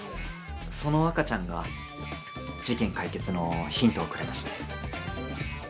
その赤ちゃんが事件解決のヒントをくれまして。